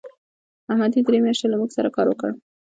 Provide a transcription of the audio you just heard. احمد درې میاشتې له موږ سره کار وکړ.